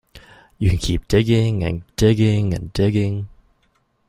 You can keep digging and digging and digging.